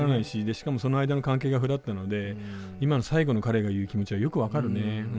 しかもその間の関係がフラットなので今の最後の彼が言う気持ちはよく分かるね。